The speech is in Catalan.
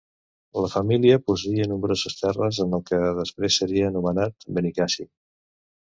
La família posseïa nombroses terres en el que després seria anomenat Benicàssim.